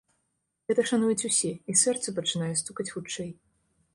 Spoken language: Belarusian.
Гэта шануюць усе, і сэрца пачынае стукаць хутчэй.